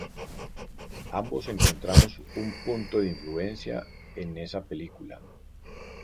Ambos encontramos un poco de influencia en esa película.